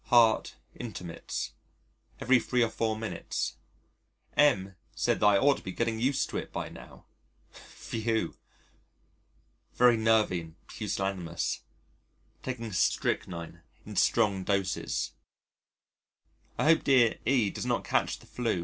Heart intermits. Every three or four minutes. M said that I ought to be getting used to it by now! Phew!! Very nervy and pusillanimous. Taking strychnine in strong doses. I hope dear E does not catch the 'flu.